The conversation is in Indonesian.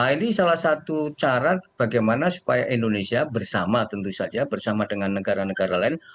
ini salah satu cara bagaimana supaya indonesia bersama tentu saja bersama dengan negara negara lain